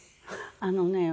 あのね